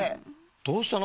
どうしたの？